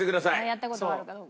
やった事があるかどうか。